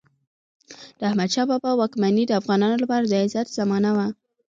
د احمدشاه بابا واکمني د افغانانو لپاره د عزت زمانه وه.